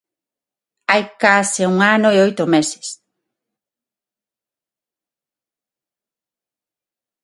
Hai case un ano e oito meses.